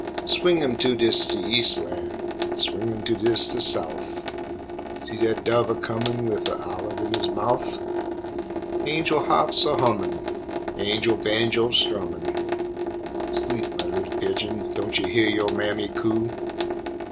Swing 'im to'ds de Eas'lan', Swing 'im to'ds de Souf See dat dove a comin' wif a olive in 'is mouf! Angel hahps a hummin', Angel banjos strummin' Sleep, mah li'l pigeon, don' yo' heah yo' mammy coo?